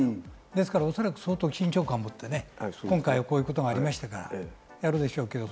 ですから、おそらく相当緊張感を持ってね、今回こういうことがありましたから、やるでしょうけど。